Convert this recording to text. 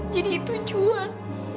jadi itu juhan